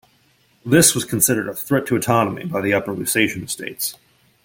This was considered a threat to autonomy by the Upper Lusatian estates.